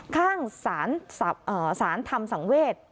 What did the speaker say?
ข้างสารธรรมสังเวศ